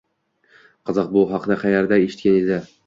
Qiziq, bu haqda qaerda eshitgan edi?